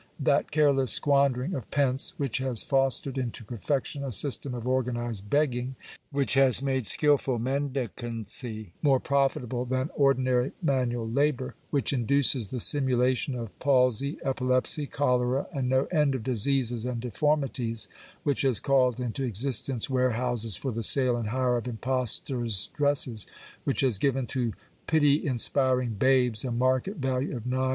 That careless squandering of pence which has fostered into perfection a system of organized begging — which has made skilful mendicancy more profitable than ordinary manual labour — which induces the simulation of palsy, epilepsy, cholera, and no end of diseases and deformities — which has called into existence warehouses for the sale and hire of impostor's dresses — which has given to pity inspiring babes a market value of 9rf.